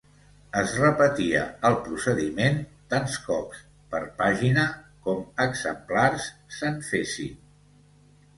Es repetia el procediment tants cops per pàgina com exemplars se'n fessin